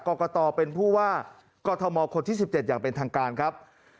กรกตเป็นผู้ว่ากอทมคนที่๑๗อย่างเป็นทางการครับ